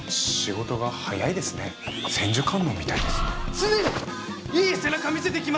常にいい背中見せていきますんで！